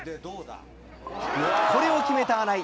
これを決めた穴井。